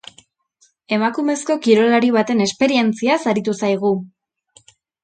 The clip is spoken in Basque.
Emakumezko kirolari baten esperientziaz aritu zaigu.